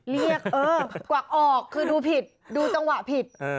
เรียกเออกวักออกคือดูผิดดูจังหวะผิด